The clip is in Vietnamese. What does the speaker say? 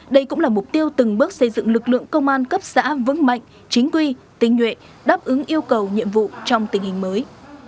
đây cũng là mục tiêu từng bước xây dựng lực lượng công an cấp xã vững mạnh chính quy tinh nhuệ đáp ứng yêu cầu nhiệm vụ trong tình hình mới